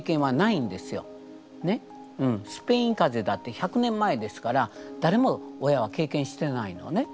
スペインかぜだって１００年前ですから誰も親は経験してないのね。